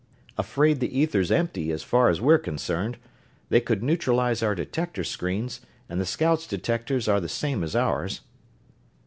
"Afraid the ether's empty, as far as we're concerned. They could neutralize our detector screens, and the scouts' detectors are the same as ours."